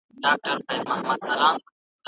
اسلام د انسانانو خرڅول نه دي روا کړي.